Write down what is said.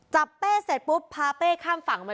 จับเป๊ะเสร็จปุ๊บพาเป๊ะข้ามฝั่งมาเลย